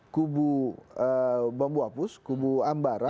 kubu bambu apus kubu ambaran